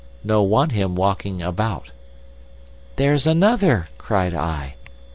No want him walking about.' "'There's another!' cried I.